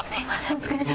お疲れさまです。